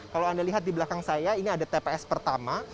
kalau anda lihat di belakang saya ini ada tps pertama